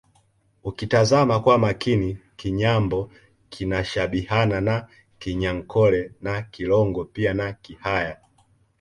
Ukitazama kwa makini Kinyambo kinashabihiana na Kinyankole na Kilongo pia na Kihaya